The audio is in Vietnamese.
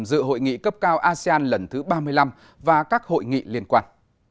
dự hội nghị cấp cao asean lần thứ ba mươi năm và các hội nghị liên quan